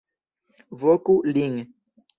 Voku lin!